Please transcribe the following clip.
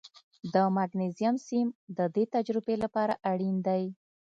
د مګنیزیم سیم د دې تجربې لپاره اړین دی.